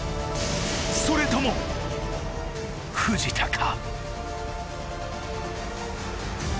それとも藤田か？